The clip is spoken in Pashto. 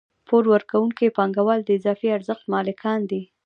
پور ورکوونکي پانګوال د اضافي ارزښت مالکان دي